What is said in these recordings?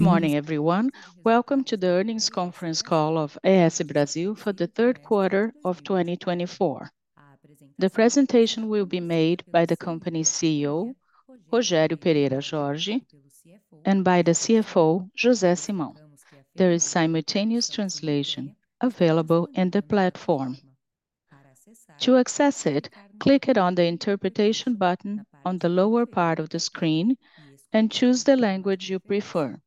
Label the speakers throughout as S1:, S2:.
S1: Good morning, everyone. Welcome to the earnings conference call of AES Brasil for the third quarter of 2024. The presentation will be made by the company's CEO, Rogério Pereira Jorge, and by the CFO, José Simão. There is simultaneous translation available in the platform. To access it, click on the interpretation button on the lower part of the screen and choose the language you prefer.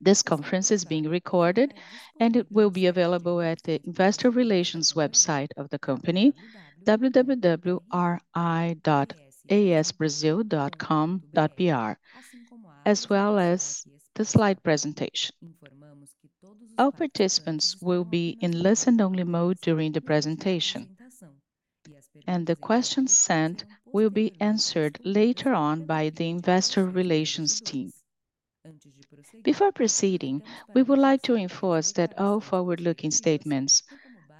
S1: This conference is being recorded, and it will be available at the investor relations website of the company, www.aesbrasil.com.br, as well as the slide presentation. All participants will be in listen-only mode during the presentation, and the questions sent will be answered later on by the investor relations team. Before proceeding, we would like to enforce that all forward-looking statements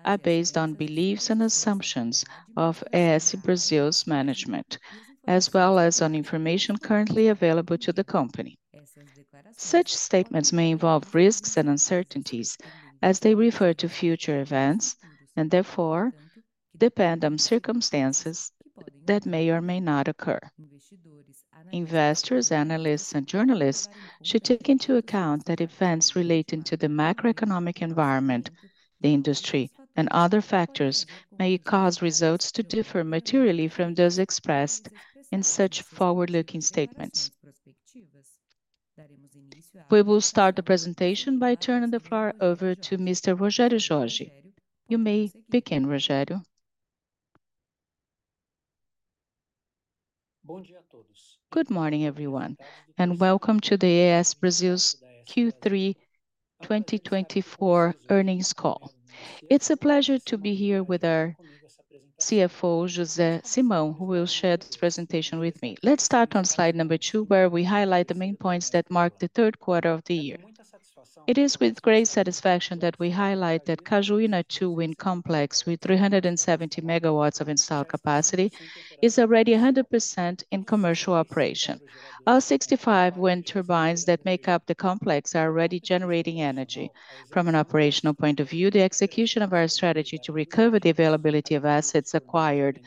S1: are based on beliefs and assumptions of AES Brasil's management, as well as on information currently available to the company. Such statements may involve risks and uncertainties, as they refer to future events and, therefore, depend on circumstances that may or may not occur. Investors, analysts, and journalists should take into account that events relating to the macroeconomic environment, the industry, and other factors may cause results to differ materially from those expressed in such forward-looking statements. We will start the presentation by turning the floor over to Mr. Rogério Jorge. You may begin, Rogério.
S2: Bom dia a todos. Good morning, everyone, and welcome to the AES Brasil's Q3 2024 earnings call. It's a pleasure to be here with our CFO, José Simão, who will share this presentation with me. Let's start on slide number 2, where we highlight the main points that mark the third quarter of the year. It is with great satisfaction that we highlight that Cajuína II wind complex, with 370 megawatts of installed capacity, is already 100% in commercial operation. All 65 wind turbines that make up the complex are already generating energy. From an operational point of view, the execution of our strategy to recover the availability of assets acquired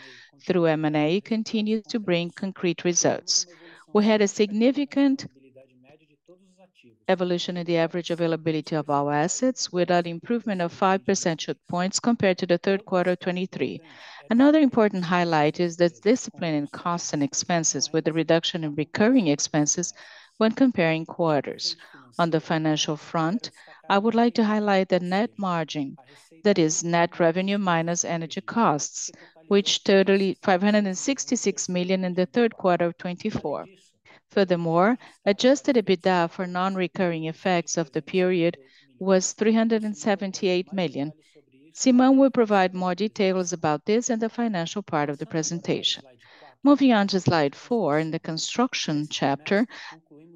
S2: through M&A continues to bring concrete results. We had a significant evolution in the average availability of our assets, with an improvement of 5 percentage points compared to the third quarter of 2023. Another important highlight is the discipline in costs and expenses, with a reduction in recurring expenses when comparing quarters. On the financial front, I would like to highlight the net margin, that is, net revenue minus energy costs, which totaled 566 million in the third quarter of 2024. Furthermore, adjusted EBITDA for non-recurring effects of the period was 378 million. Simão will provide more details about this in the financial part of the presentation. Moving on to slide 4, in the construction chapter,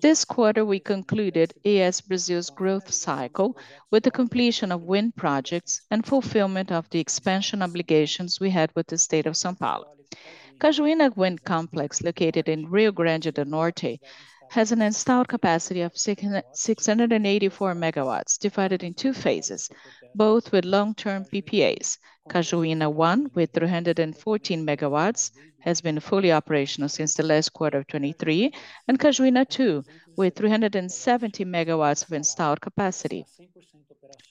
S2: this quarter we concluded AES Brasil's growth cycle with the completion of wind projects and fulfillment of the expansion obligations we had with the state of São Paulo. Cajuína wind complex, located in Rio Grande do Norte, has an installed capacity of 684 megawatts, divided in two phases, both with long-term PPAs. Cajuína I, with 314 megawatts, has been fully operational since the last quarter of 2023, and Cajuína II, with 370 megawatts of installed capacity,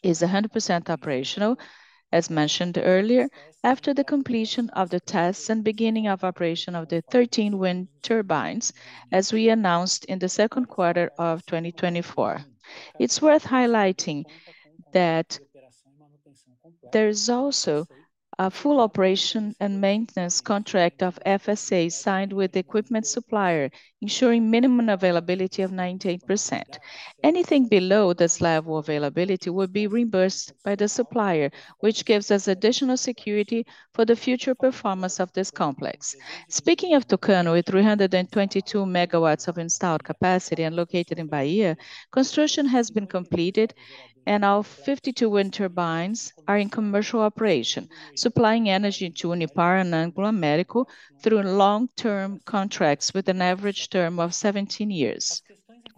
S2: is 100% operational, as mentioned earlier, after the completion of the tests and beginning of operation of the 13 wind turbines, as we announced in the second quarter of 2024. It's worth highlighting that there is also a full operation and maintenance contract of FSA signed with the equipment supplier, ensuring minimum availability of 98%. Anything below this level of availability would be reimbursed by the supplier, which gives us additional security for the future performance of this complex. Speaking of Tucano, with 322 megawatts of installed capacity and located in Bahia, construction has been completed, and all 52 wind turbines are in commercial operation, supplying energy to Unipar and Anglo American through long-term contracts with an average term of 17 years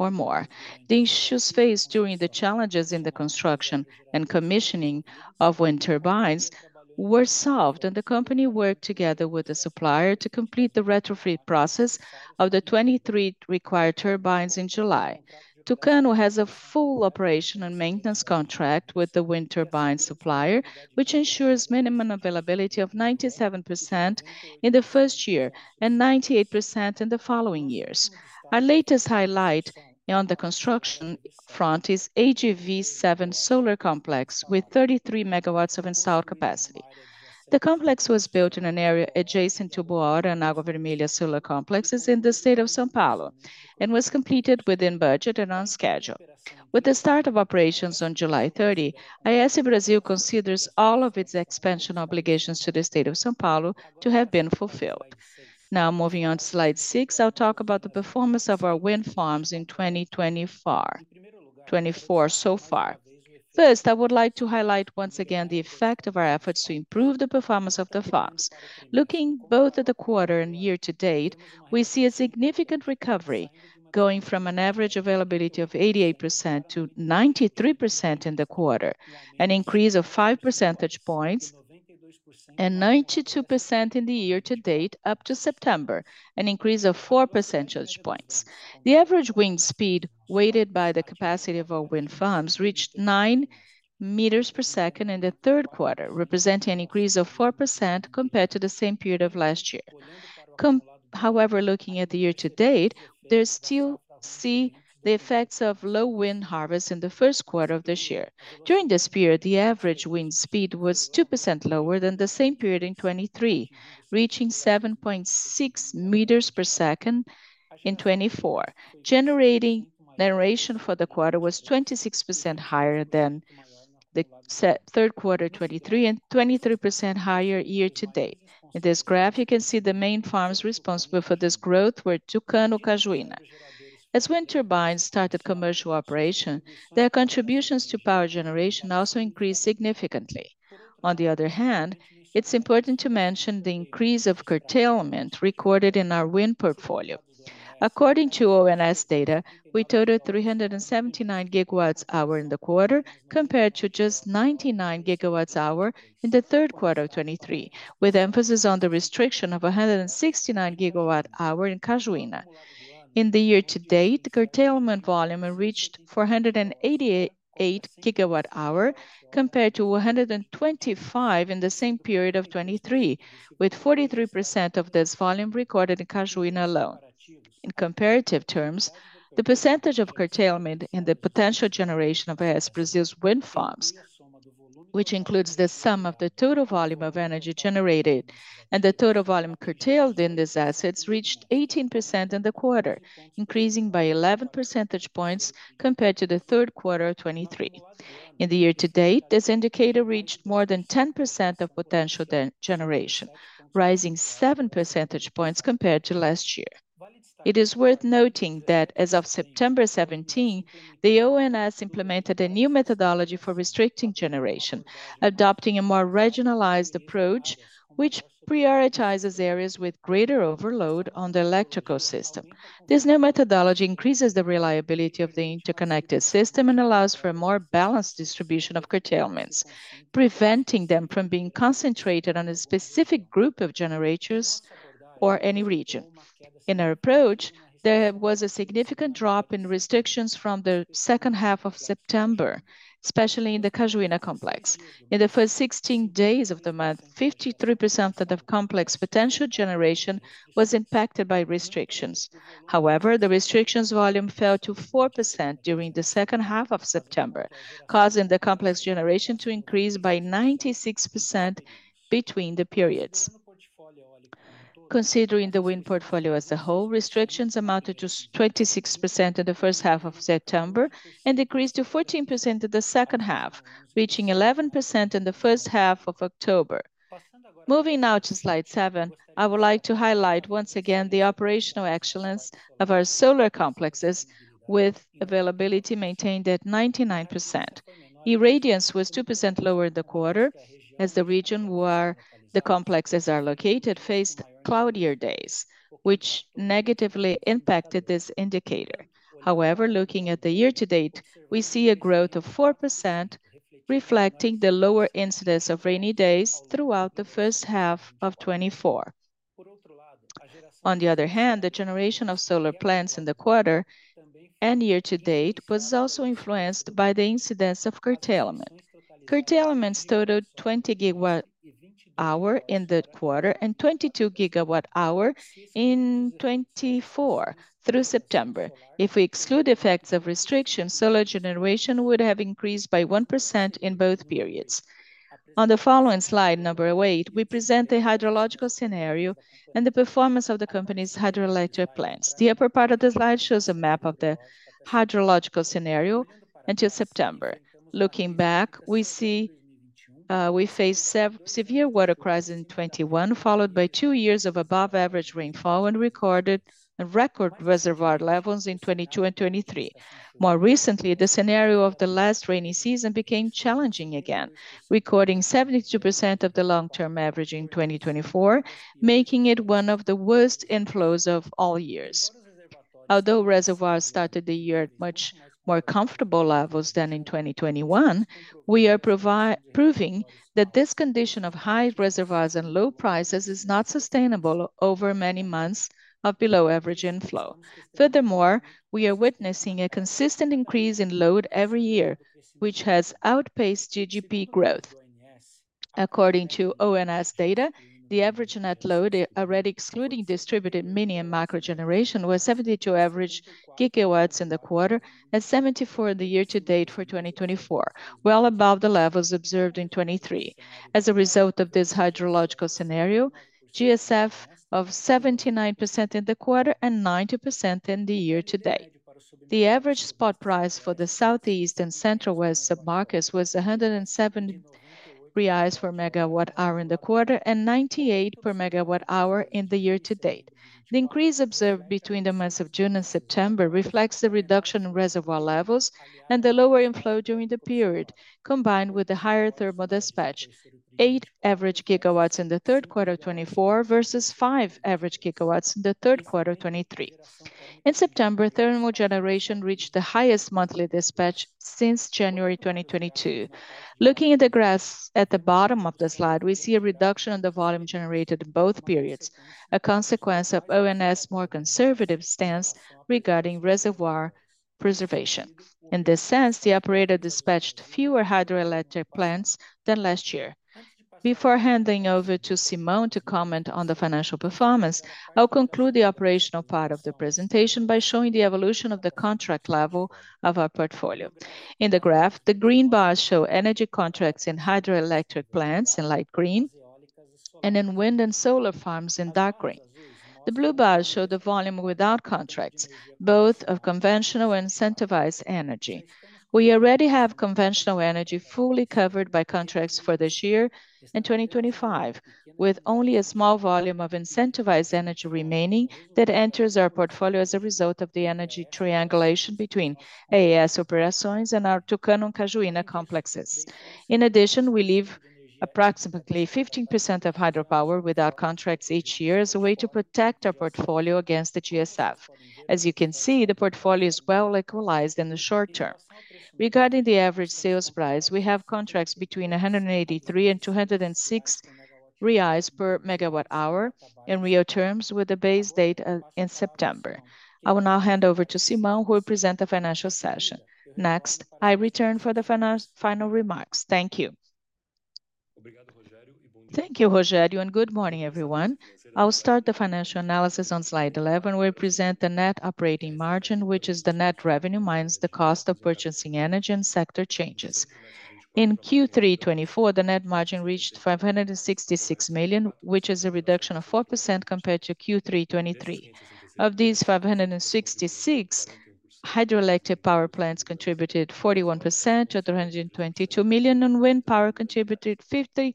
S2: or more. The issues faced during the challenges in the construction and commissioning of wind turbines were solved, and the company worked together with the supplier to complete the retrofit process of the 23 required turbines in July. Tucano has a full operation and maintenance contract with the wind turbine supplier, which ensures minimum availability of 97% in the first year and 98% in the following years. Our latest highlight on the construction front is AGV7 solar complex, with 33 megawatts of installed capacity. The complex was built in an area adjacent to Boa Hora and Água Vermelha solar complexes in the state of São Paulo and was completed within budget and on schedule. With the start of operations on July 30, AES Brasil considers all of its expansion obligations to the state of São Paulo to have been fulfilled. Now, moving on to slide 6, I'll talk about the performance of our wind farms in 2024 so far. First, I would like to highlight once again the effect of our efforts to improve the performance of the farms. Looking both at the quarter and year to date, we see a significant recovery, going from an average availability of 88% to 93% in the quarter, an increase of 5 percentage points, and 92% in the year to date, up to September, an increase of 4 percentage points. The average wind speed weighted by the capacity of our wind farms reached 9 meters per second in the third quarter, representing an increase of 4% compared to the same period of last year. However, looking at the year to date, we still see the effects of low wind harvest in the first quarter of this year. During this period, the average wind speed was 2% lower than the same period in 2023, reaching 7.6 meters per second in 2024. Generation for the quarter was 26% higher than the third quarter of 2023 and 23% higher year to date. In this graph, you can see the main farms responsible for this growth were Tucano and Cajuína. As wind turbines started commercial operation, their contributions to power generation also increased significantly. On the other hand, it's important to mention the increase of curtailment recorded in our wind portfolio. According to ONS data, we totaled 379 gigawatt-hours in the quarter, compared to just 99 gigawatt-hours in the third quarter of 2023, with emphasis on the restriction of 169 gigawatt-hours in Cajuína. In the year to date, curtailment volume reached 488 gigawatt-hours, compared to 125 in the same period of 2023, with 43% of this volume recorded in Cajuína alone. In comparative terms, the percentage of curtailment in the potential generation of AES Brasil's wind farms, which includes the sum of the total volume of energy generated and the total volume curtailed in these assets, reached 18% in the quarter, increasing by 11 percentage points compared to the third quarter of 2023. In the year to date, this indicator reached more than 10% of potential generation, rising 7 percentage points compared to last year. It is worth noting that, as of September 17, the ONS implemented a new methodology for restricting generation, adopting a more regionalized approach, which prioritizes areas with greater overload on the electrical system. This new methodology increases the reliability of the interconnected system and allows for a more balanced distribution of curtailments, preventing them from being concentrated on a specific group of generators or any region. In our approach, there was a significant drop in restrictions from the second half of September, especially in the Cajuína complex. In the first 16 days of the month, 53% of the complex's potential generation was impacted by restrictions. However, the restrictions volume fell to 4% during the second half of September, causing the complex generation to increase by 96% between the periods. Considering the wind portfolio as a whole, restrictions amounted to 26% in the first half of September and decreased to 14% in the second half, reaching 11% in the first half of October. Moving now to slide 7, I would like to highlight once again the operational excellence of our solar complexes, with availability maintained at 99%. Irradiance was 2% lower in the quarter, as the region where the complexes are located faced cloudier days, which negatively impacted this indicator. However, looking at the year to date, we see a growth of 4%, reflecting the lower incidence of rainy days throughout the first half of 2024. On the other hand, the generation of solar plants in the quarter and year to date was also influenced by the incidence of curtailment. Curtailment totaled 20 gigawatt-hours in the quarter and 22 gigawatt-hours in 2024 through September. If we exclude effects of restrictions, solar generation would have increased by 1% in both periods. On the following slide, number 8, we present the hydrological scenario and the performance of the company's hydroelectric plants. The upper part of the slide shows a map of the hydrological scenario until September. Looking back, we see we faced severe water crisis in 2021, followed by two years of above-average rainfall and recorded record reservoir levels in 2022 and 2023. More recently, the scenario of the last rainy season became challenging again, recording 72% of the long-term average in 2024, making it one of the worst inflows of all years. Although reservoirs started the year at much more comfortable levels than in 2021, we are proving that this condition of high reservoirs and low prices is not sustainable over many months of below-average inflow. Furthermore, we are witnessing a consistent increase in load every year, which has outpaced GDP growth. According to ONS data, the average net load, already excluding distributed mini and micro generation, was 72 average gigawatts in the quarter and 74 in the year to date for 2024, well above the levels observed in 2023. As a result of this hydrological scenario, GSF of 79% in the quarter and 90% in the year to date. The average spot price for the Southeast and Central West submarkets was 173 reais per megawatt-hour in the quarter and 98 per megawatt-hour in the year to date. The increase observed between the months of June and September reflects the reduction in reservoir levels and the lower inflow during the period, combined with the higher thermal dispatch: 8 average gigawatts in the third quarter of 2024 versus 5 average gigawatts in the third quarter of 2023. In September, thermal generation reached the highest monthly dispatch since January 2022. Looking at the graph at the bottom of the slide, we see a reduction in the volume generated in both periods, a consequence of ONS's more conservative stance regarding reservoir preservation. In this sense, the operator dispatched fewer hydroelectric plants than last year. Before handing over to Simão to comment on the financial performance, I'll conclude the operational part of the presentation by showing the evolution of the contract level of our portfolio. In the graph, the green bars show energy contracts in hydroelectric plants in light green and in wind and solar farms in dark green. The blue bars show the volume without contracts, both of conventional and incentivized energy.
S1: We already have conventional energy fully covered by contracts for this year and 2025, with only a small volume of incentivized energy remaining that enters our portfolio as a result of the energy triangulation between AES Operations and our Tucano and Cajuína complexes. In addition, we leave approximately 15% of hydropower without contracts each year as a way to protect our portfolio against the GSF. As you can see, the portfolio is well equalized in the short term. Regarding the average sales price, we have contracts between 183 and 206 reais per megawatt-hour in real terms, with a base date in September. I will now hand over to Simão, who will present the financial session. Next, I return for the final remarks. Thank you. Thank you, Rogério, and good morning, everyone. I'll start the financial analysis on slide 11, where I present the net operating margin, which is the net revenue minus the cost of purchasing energy and sector changes. In Q3 2024, the net margin reached 566 million, which is a reduction of 4% compared to Q3 2023. Of these 566, hydroelectric power plants contributed 41%, or 322 million, and wind power contributed 53%.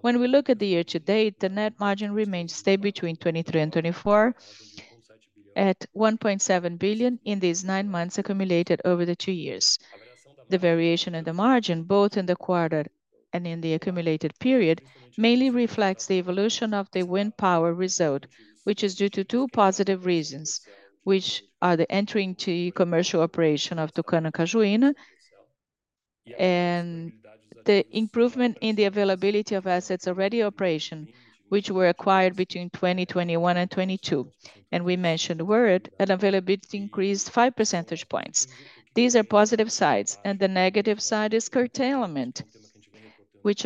S1: When we look at the year to date, the net margin remains stable between 2023 and 2024 at 1.7 billion in these nine months accumulated over the two years. The variation in the margin, both in the quarter and in the accumulated period, mainly reflects the evolution of the wind power result, which is due to two positive reasons, which are the entry into commercial operation of Tucano and Cajuína and the improvement in the availability of assets already in operation, which were acquired between 2021 and 2022. We mentioned wind, and availability increased 5 percentage points. These are positive sides, and the negative side is curtailment, which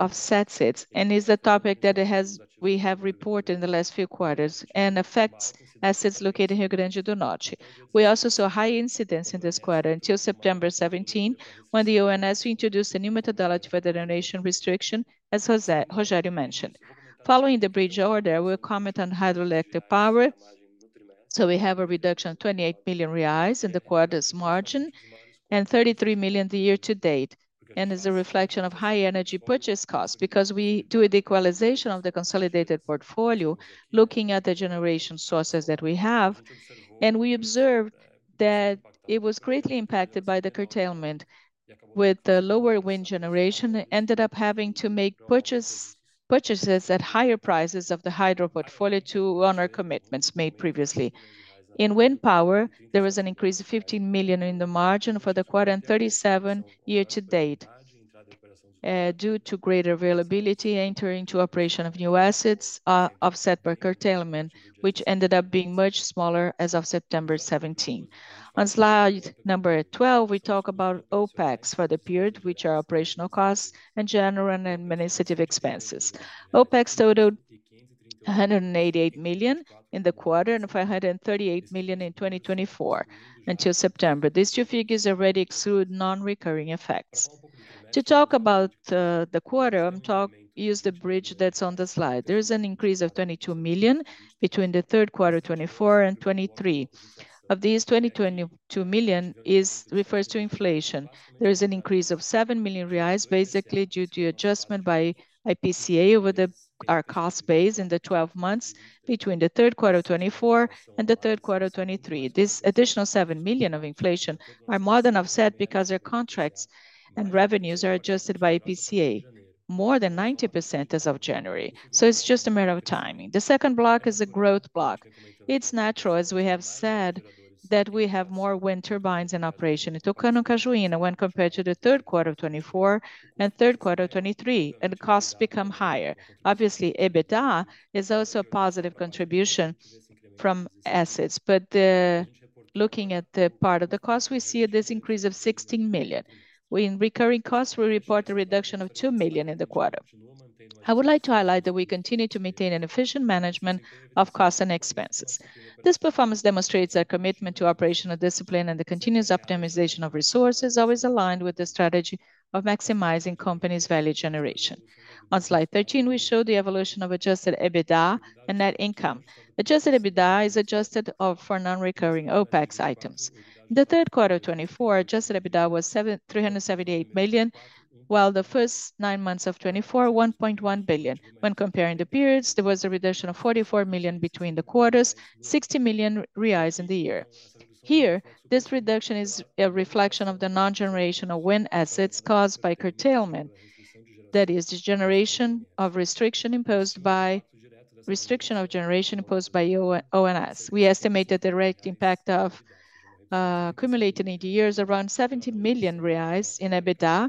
S1: offsets it and is a topic that we have reported in the last few quarters and affects assets located in Rio Grande do Norte. We also saw high incidence in this quarter until September 17, when the ONS introduced a new methodology for the duration restriction, as Rogério mentioned. Following the bridge order, we'll comment on hydroelectric power. We have a reduction of 28 million reais in the quarter's margin and 33 million the year to date, and it's a reflection of high energy purchase costs because we do the equalization of the consolidated portfolio, looking at the generation sources that we have, and we observed that it was greatly impacted by the curtailment, with the lower wind generation ended up having to make purchases at higher prices of the hydro portfolio to honor commitments made previously. In wind power, there was an increase of 15 million in the margin for the quarter and 37 year to date due to greater availability entering into operation of new assets offset by curtailment, which ended up being much smaller as of September 17. On slide number 12, we talk about OpEx for the period, which are operational costs and general and administrative expenses. OpEx totaled 188 million in the quarter and 538 million in 2024 until September. These two figures already exclude non-recurring effects. To talk about the quarter, I'm talking use the bridge that's on the slide. There is an increase of 22 million between the third quarter of 2024 and 2023. Of these, 22 million refers to inflation. There is an increase of 7 million reais, basically due to adjustment by IPCA over our cost base in the 12 months between the third quarter of 2024 and the third quarter of 2023. This additional 7 million of inflation are more than offset because our contracts and revenues are adjusted by IPCA more than 90% as of January. So it's just a matter of timing. The second block is a growth block. It's natural, as we have said, that we have more wind turbines in operation in Tucano and Cajuína when compared to the Third Quarter of 2024 and Third Quarter of 2023, and costs become higher. Obviously, EBITDA is also a positive contribution from assets, but looking at the part of the cost, we see this increase of 16 million. In recurring costs, we report a reduction of 2 million in the quarter. I would like to highlight that we continue to maintain an efficient management of costs and expenses. This performance demonstrates our commitment to operational discipline and the continuous optimization of resources always aligned with the strategy of maximizing company's value generation. On slide 13, we show the evolution of adjusted EBITDA and net income. Adjusted EBITDA is adjusted for non-recurring OpEx items. In the third quarter of 2024, Adjusted EBITDA was 378 million, while in the first nine months of 2024, 1.1 billion. When comparing the periods, there was a reduction of 44 million between the quarters, 60 million reais in the year. Here, this reduction is a reflection of the non-generational wind assets caused by curtailment, that is, the generation restriction imposed by ONS. We estimate that the direct impact of accumulating in the year is around 70 million reais in EBITDA.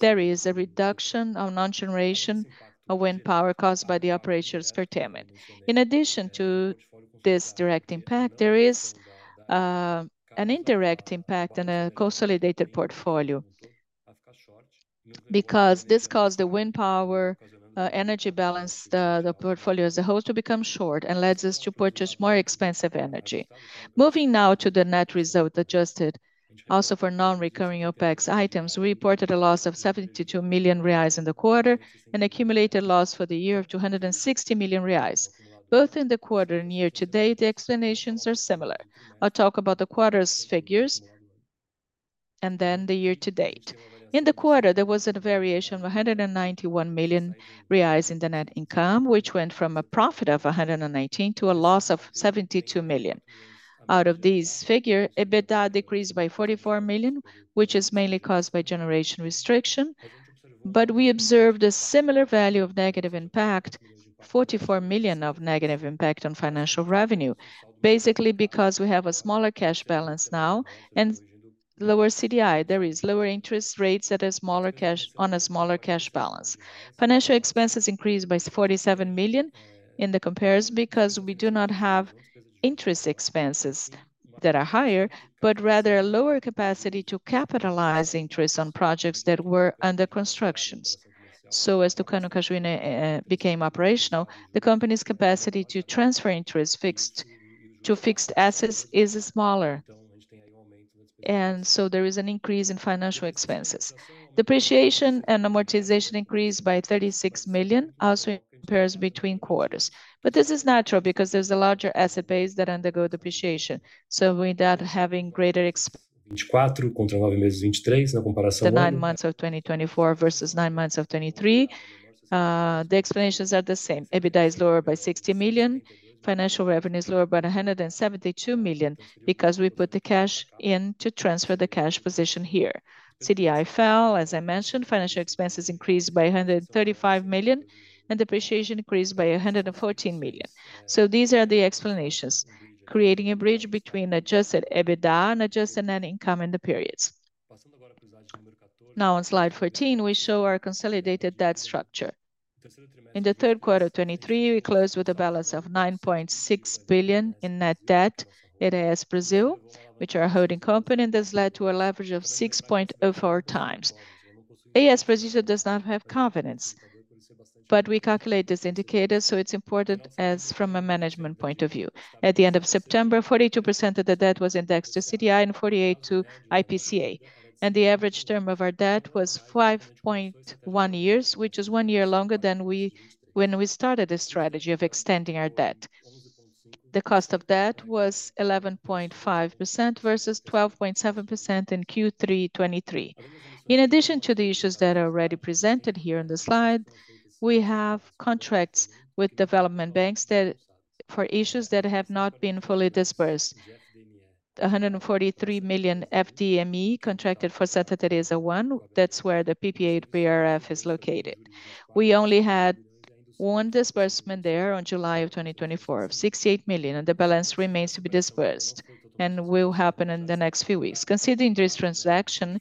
S1: There is a reduction of non-generation of wind power caused by the operational curtailment. In addition to this direct impact, there is an indirect impact in a consolidated portfolio because this caused the wind power energy balance, the portfolio as a whole, to become short and led us to purchase more expensive energy. Moving now to the net result adjusted also for non-recurring OpEx items, we reported a loss of 72 million reais in the quarter and accumulated loss for the year of 260 million reais. Both in the quarter and year to date, the explanations are similar. I'll talk about the quarter's figures and then the year to date. In the quarter, there was a variation of 191 million reais in the net income, which went from a profit of 118 million to a loss of 72 million. Out of these figures, EBITDA decreased by 44 million, which is mainly caused by generation restriction, but we observed a similar value of negative impact, 44 million of negative impact on financial revenue, basically because we have a smaller cash balance now and lower CDI. There are lower interest rates on a smaller cash balance. Financial expenses increased by 47 million BRL in the comparison because we do not have interest expenses that are higher, but rather a lower capacity to capitalize interest on projects that were under construction. So as Tucano and Cajuína became operational, the company's capacity to transfer interest to fixed assets is smaller, and so there is an increase in financial expenses. Depreciation and amortization increased by 36 million BRL also in comparison between quarters, but this is natural because there's a larger asset base that undergoes depreciation. So without having greater. 2024 contra 9 meses de 2023 na comparação de. The nine months of 2024 versus nine months of 2023, the explanations are the same. EBITDA is lower by 60 million BRL. Financial revenue is lower by 172 million BRL because we put the cash in to transfer the cash position here. CDI fell, as I mentioned. Financial expenses increased by 135 million and depreciation increased by 114 million. So these are the explanations creating a bridge between adjusted EBITDA and adjusted net income in the periods. Now, on slide 14, we show our consolidated debt structure. In the third quarter of 2023, we closed with a balance of 9.6 billion in net debt at AES Brasil, which is a holding company, and this led to a leverage of 6.04 times. AES Brasil does not have covenants, but we calculate this indicator, so it's important from a management point of view. At the end of September, 42% of the debt was indexed to CDI and 48% to IPCA, and the average term of our debt was 5.1 years, which is one year longer than when we started this strategy of extending our debt. The cost of debt was 11.5% versus 12.7% in Q3 2023. In addition to the issues that are already presented here on the slide, we have contracts with development banks for issues that have not been fully disbursed: 143 million FDNE contracted for Santa Tereza I. That's where the PPA BRF is located. We only had one disbursement there in July of 2024 of 68 million, and the balance remains to be disbursed and will happen in the next few weeks. Considering this transaction,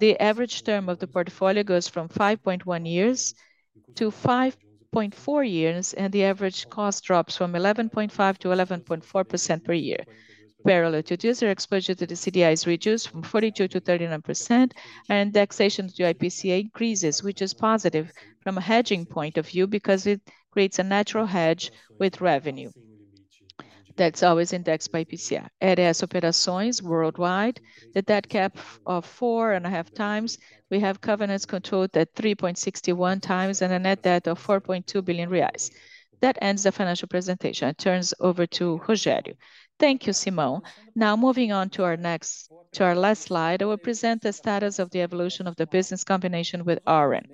S1: the average term of the portfolio goes from 5.1 years to 5.4 years, and the average cost drops from 11.5% to 11.4% per year. Parallel to this, our exposure to the CDI is reduced from 42% to 39%, and indexation to IPCA increases, which is positive from a hedging point of view because it creates a natural hedge with revenue that's always indexed by IPCA. At AES Operations worldwide, the debt cap of 4.5 times, we have covenants controlled at 3.61 times and a net debt of 4.2 billion reais. That ends the financial presentation. I turn over to Rogério. Thank you, Simão. Now, moving on to our next, to our last slide, I will present the status of the evolution of the business combination with Auren.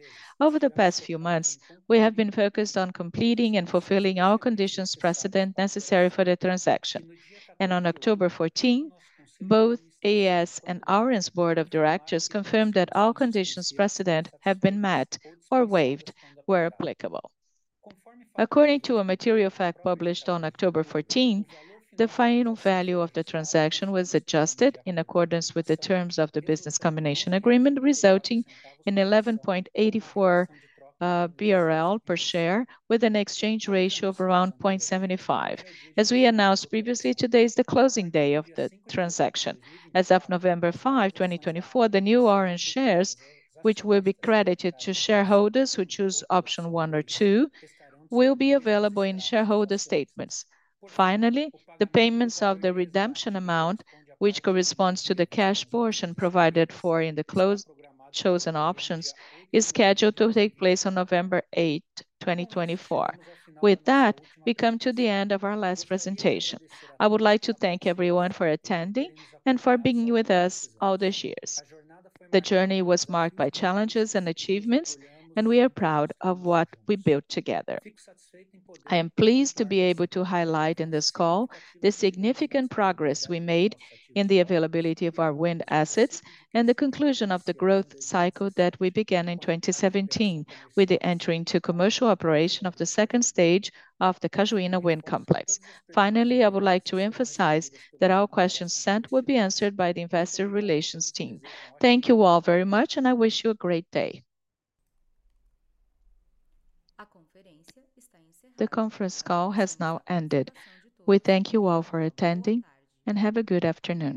S1: Over the past few months, we have been focused on completing and fulfilling all conditions precedent necessary for the transaction. On October 14, both AES and Auren's board of directors confirmed that all conditions precedent have been met or waived where applicable. According to a material fact published on October 14, the final value of the transaction was adjusted in accordance with the terms of the business combination agreement, resulting in 11.84 BRL per share with an exchange ratio of around 0.75. As we announced previously, today is the closing day of the transaction. As of November 5, 2024, the new Auren shares, which will be credited to shareholders who choose option one or two, will be available in shareholder statements. Finally, the payments of the redemption amount, which corresponds to the cash portion provided for in the closed options, is scheduled to take place on November 8, 2024. With that, we come to the end of our last presentation. I would like to thank everyone for attending and for being with us all these years. The journey was marked by challenges and achievements, and we are proud of what we built together. I am pleased to be able to highlight in this call the significant progress we made in the availability of our wind assets and the conclusion of the growth cycle that we began in 2017 with the entry into commercial operation of the second stage of the Cajuína wind complex. Finally, I would like to emphasize that all questions sent will be answered by the investor relations team. Thank you all very much, and I wish you a great day. The conference call has now ended. We thank you all for attending and have a good afternoon.